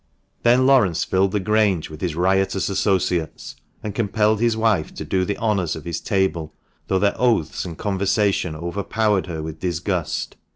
Then Laurence filled the Grange with his riotous associates, and compelled his wife to do the honours of his table, though their oaths and conversation overpowered her with disgust.